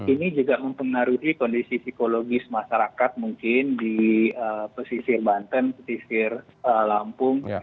ini juga mempengaruhi kondisi psikologis masyarakat mungkin di pesisir banten pesisir lampung